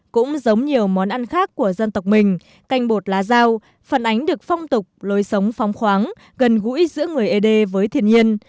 cũng giống nhiều món ăn khác của dân tộc mình canh bột lá dao phản ánh được phong tục lối sống phóng khoáng gần gũi giữa người ế đê với thiên nhiên